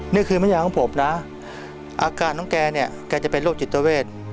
นี่คือเมืองใหญ่ของผมนะอาการของแกเนี่ยแกจะเป็นลูกจิตเวศ